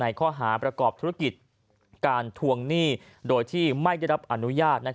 ข้อหาประกอบธุรกิจการทวงหนี้โดยที่ไม่ได้รับอนุญาต